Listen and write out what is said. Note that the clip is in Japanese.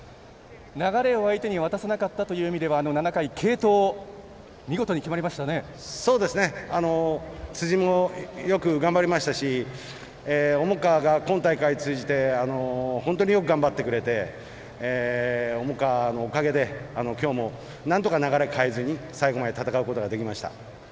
流れを相手に渡さなかったという意味では、７回継投辻もよく頑張りましたし重川が今大会通じて本当によく頑張ってくれて重川のおかげできょうも何とか流れを変えずに最後まで戦うことができました。